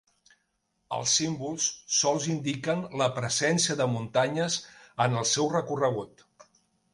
Els símbols sols indiquen la presència de muntanyes en el seu recorregut.